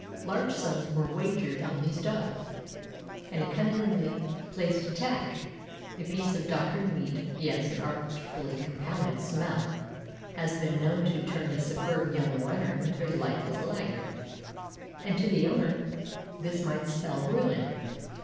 Large sums were wagered on these Dogs, and a cunningly placed tack, a piece of doctored meat, yes, an artfully compounded smell, has been known to turn a superb young runner into a lifeless laggard, and to the owner this might spell ruin.